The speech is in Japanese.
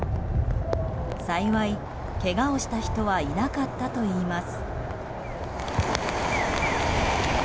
幸い、けがをした人はいなかったといいます。